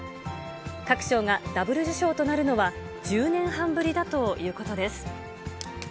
各賞がダブル受賞となるのは、１０年半ぶりだということです。